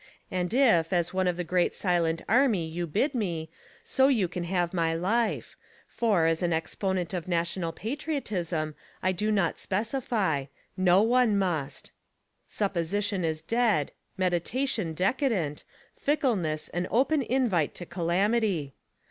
And if, as one of the great 'silent army' you bid me, so 3'ou can have my life; for, as an exponent of national patriotism, I do not specify; no one must; supposition is dead, meditation decadent, fickle ness, an open invite to calamity.